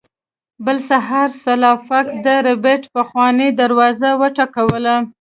بل سهار سلای فاکس د ربیټ پخوانۍ دروازه وټکوله